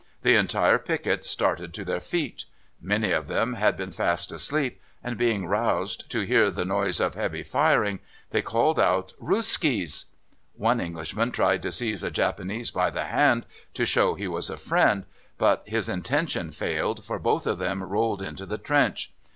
The entire picket started to their feet. Many of them had been fast asleep, and, being aroused to hear the noise of heavy firing, they called out "Ruskies!" One Englishman tried to seize a Japanese by the hand to show he was a friend, but his intention failed, for both of them rolled into the trench.